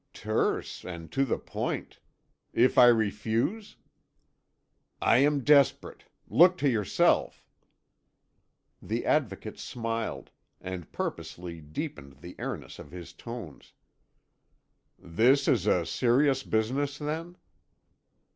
"Terse, and to the point. If I refuse?" "I am desperate. Look to yourself." The Advocate smiled, and purposely deepened the airiness of his tones. "This is a serious business, then?"